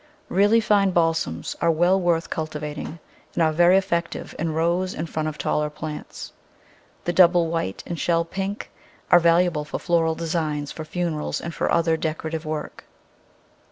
Really fine Balsams are well worth cultivating, and are very effective in rows in front of taller plants. The double white and shell pink are valuable for floral designs for funerals and for other decorative work.